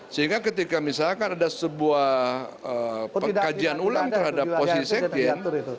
sehingga ketika misalkan ada sebuah pengkajian ulang terhadap posisi sekjen